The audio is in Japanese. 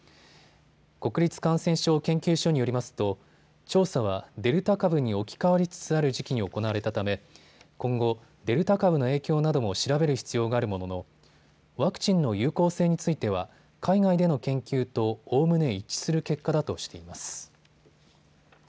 国立感染症研究所によりますと調査はデルタ株に置き換わりつつある時期に行われたため今後、デルタ株の影響なども調べる必要があるもののワクチンの有効性については海外での研究とおおむね一致する結果だとしています。